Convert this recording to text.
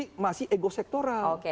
tapi masih ego sektoran